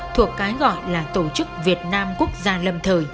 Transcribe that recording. thuộc cái gọi là tổ chức việt nam quốc gia lâm thời